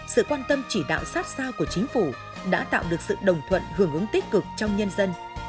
sự quan tâm chỉ đạo sát sao của chính phủ đã tạo được sự đồng thuận hưởng ứng tích cực trong nhân dân